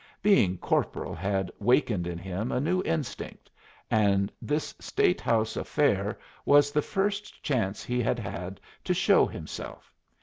Being corporal had wakened in him a new instinct, and this State House affair was the first chance he had had to show himself.